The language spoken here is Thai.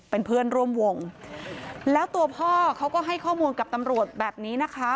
เป็นเพื่อนร่วมวงแล้วตัวพ่อเขาก็ให้ข้อมูลกับตำรวจแบบนี้นะคะ